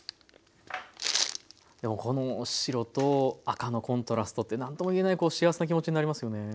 この白と赤のコントラストって何とも言えない幸せな気持ちになりますよね。